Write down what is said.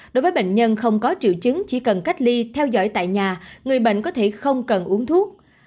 đối với bệnh nhân không có triệu chứng chỉ cần cách ly theo dõi tại nhà người bệnh có thể không cần uống thuốc